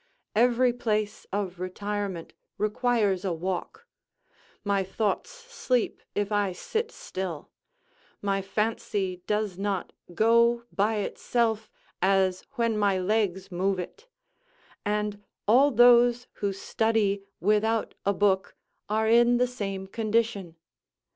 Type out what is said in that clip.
Every place of retirement requires a walk: my thoughts sleep if I sit still: my fancy does not go by itself, as when my legs move it: and all those who study without a book are in the same condition.